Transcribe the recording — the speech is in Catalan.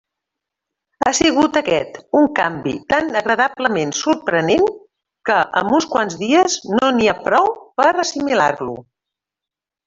Ha sigut aquest un canvi tan agradablement sorprenent que amb uns quants dies no n'hi ha prou per a assimilar-lo.